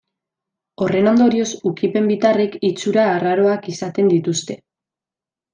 Horren ondorioz ukipen-bitarrek itxura arraroak izaten dituzte.